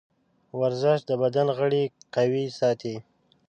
ورزش د بدن غړي قوي ساتي.